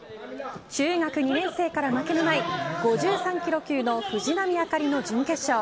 中学２年生から負けのない５３キロ級の藤波朱理の準決勝。